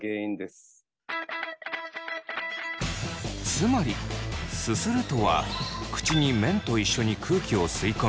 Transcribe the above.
つまり「すする」とは口に麺と一緒に空気を吸い込み